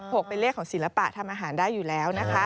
๖เป็นเรียกของศิลปะทำอาหารได้อยู่แล้ว